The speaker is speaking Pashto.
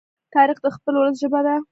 تاریخ د خپل ولس ژبه ده.